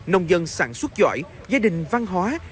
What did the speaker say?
nông dân sản xuất giỏi gia đình văn hóa